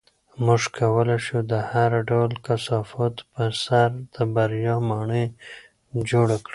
موږ کولی شو د هر ډول کثافاتو په سر د بریا ماڼۍ جوړه کړو.